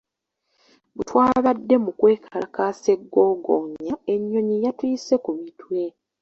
Bwe twabadde mu kwekalakaasa e Ggogonya, ennyonyi yatuyise ku mitwe.